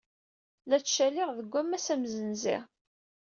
La ttcaliɣ deg wammas amsenzi.